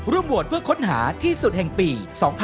โหวตเพื่อค้นหาที่สุดแห่งปี๒๕๖๒